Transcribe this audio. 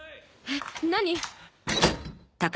えっ？何？